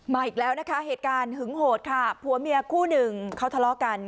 อีกแล้วนะคะเหตุการณ์หึงโหดค่ะผัวเมียคู่หนึ่งเขาทะเลาะกัน